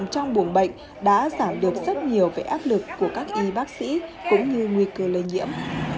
trong buồng bệnh đã giảm được rất nhiều về áp lực của các y bác sĩ cũng như nguy cơ lây nhiễm